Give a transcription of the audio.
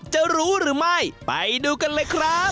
จะรู้หรือไม่ไปดูกันเลยครับ